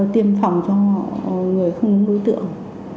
tiêm phòng cho người không đối tượng